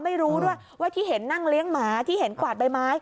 ไม่รู้ด้วยว่าที่เห็นนั่งเลี้ยงหมาที่เห็นกวาดใบไม้